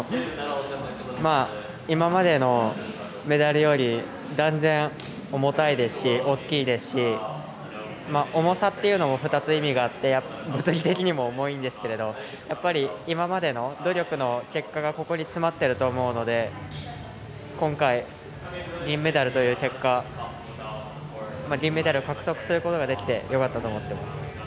今までのメダルより断然、重たいですしおっきいですし、重さっていうのも２つ意味があって物理的にも重いんですけど今までの努力の結果がここに詰まってると思うので今回、銀メダルという結果銀メダル獲得することができてよかったと思っています。